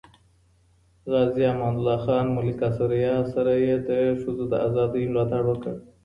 غازي امان الله خان ملکه ثریا سره یې د ښځو د ازادۍ ملاتړ وکړ.